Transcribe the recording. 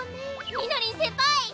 みのりん先輩！